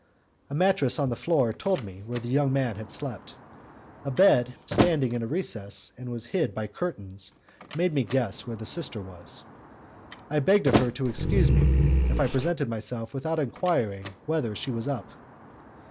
A mattress on the floor told me where the young man had slept; a bed standing in a recess and hid by curtains made me guess where the sister was. I begged of her to excuse me if I had presented myself without enquiring whether she was up.